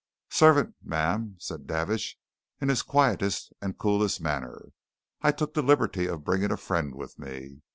"Servant, ma'am," said Davidge in his quietest and coolest manner. "I took the liberty of bringing a friend with me.